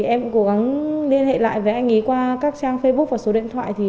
em cũng cố gắng liên hệ lại với anh ấy qua các trang facebook và số điện thoại